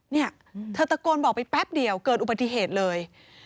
เนี่ยเธอตะโกนบอกไปแป๊บเดียวเกิดอุบัติเหตุเลย